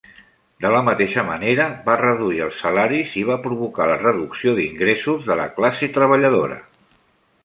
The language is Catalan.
De la mateixa manera, va reduir els salaris i va provocar la reducció d'ingressos de la classe treballadora.